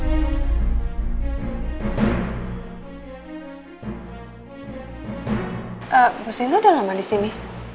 ibu sinta udah lama disini